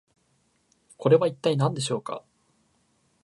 これは一体何でしょうか？